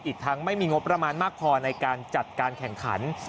อีกทั้งไม่มีงบประมาณมากพอในการจัดการแข่งขัน